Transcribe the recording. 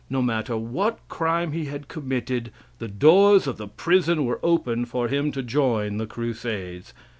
No matter what crime he had committed the doors of the prison were open for him to join the Crusades.